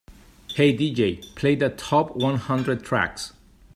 "Hey DJ, play the top one hundred tracks"